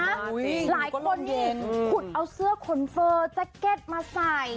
หลายคนนี่ขุดเอาเสื้อขนเฟอร์แจ็คเก็ตมาใส่